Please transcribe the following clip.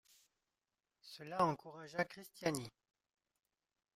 Cela encouragea Christiani.